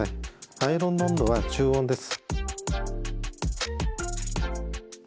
アイロンの温度は中温です。